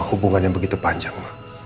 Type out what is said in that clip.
hubungan yang begitu panjang